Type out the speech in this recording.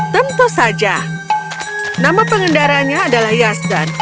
tentu saja nama pengendaranya adalah yasdan